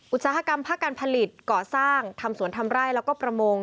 อุตสาหกรรมภาคการผลิตก่อสร้างทำสวนทำไร่แล้วก็ประมง